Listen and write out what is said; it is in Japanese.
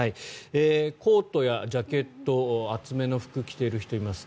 コートやジャケット厚めの服、着ている人います。